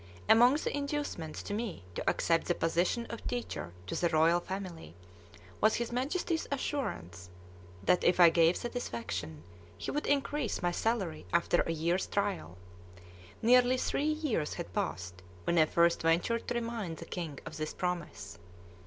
Among the inducements to me to accept the position of teacher to the royal family was his Majesty's assurance, that, if I gave satisfaction, he would increase my salary after a year's trial. Nearly three years had passed when I first ventured to remind the king of this promise.